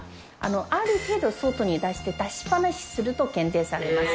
ある程度外に出して出しっぱなしにすると減点されます。